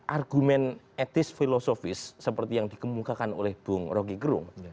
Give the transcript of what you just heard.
argumen etis filosofis seperti yang dikemukakan oleh ibu rokikrung